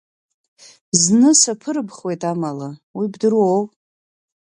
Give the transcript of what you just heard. Зны саԥырыбхуеит амала, уи бдыруоу.